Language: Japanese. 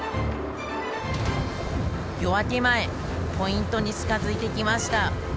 夜明け前ポイントに近づいてきました。